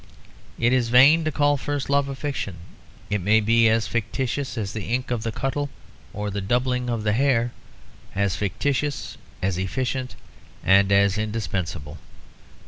It is vain to call first love a fiction; it may be as fictitious as the ink of the cuttle or the doubling of the hare; as fictitious, as efficient, and as indispensable.